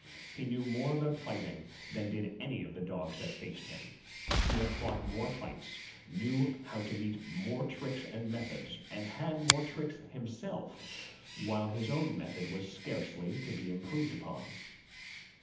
He knew more about fighting than did any of the dogs that faced him. He had fought more fights, knew how to meet more tricks and methods, and had more tricks himself, while his own method was scarcely to be improved upon.